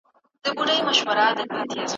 پيسې د ژوند وسيله ده نه هدف.